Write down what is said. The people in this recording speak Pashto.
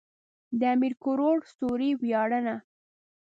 د امير کروړ سوري وياړنه.